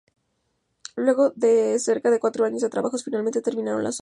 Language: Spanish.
Luego de cerca de cuatro años de trabajos, finalmente terminaron las obras.